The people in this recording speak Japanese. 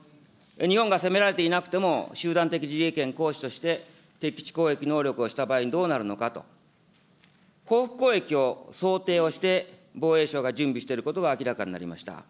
日本が攻められていなくても集団的自衛権行使として、敵基地攻撃能力をした場合にどうなるのかと、報復攻撃を想定して、防衛省が準備していることが明らかになりました。